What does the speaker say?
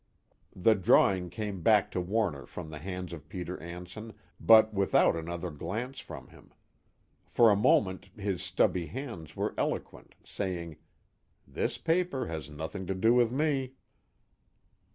The drawing came back to Warner from the hands of Peter Anson but without another glance from him; for a moment his stubby hands were eloquent, saying: "_This paper has nothing to do with me.